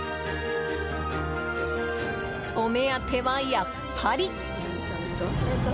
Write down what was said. お目当ては、やっぱり。